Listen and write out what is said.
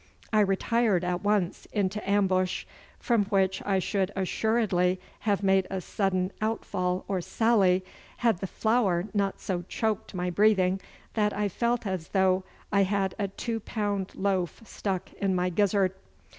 I retired at once into ambush, from which I should assuredly have made a sudden outfall or sally, had the flour not so choked my breathing that I felt as though I had a two pound loaf stuck in my gizzard.